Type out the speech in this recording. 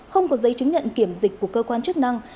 không có giấy chứng nhận kiểm dịch của cơ quan chức năng